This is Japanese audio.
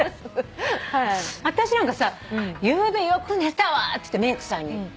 私なんかさゆうべよく寝たわっつってメークさんに。